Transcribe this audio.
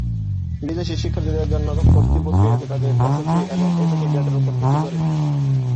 বিদেশী শিক্ষার্থীদের জন্য ভর্তি প্রক্রিয়াতে তাদের এসএসসি এবং এইচএসসি গ্রেডের উপর ভিত্তি করে।